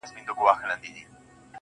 هڅه انسان کامیابوي.